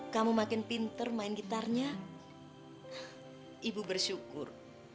kamu makin pinter main gitarnya ibu bersyukur